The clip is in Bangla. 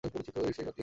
সে এতিম অসহায়।